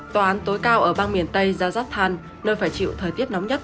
tòa án tối cao ở bang miền tây jazakhan nơi phải chịu thời tiết nóng nhất